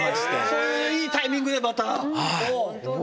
そういういいタイミングで、本当だ。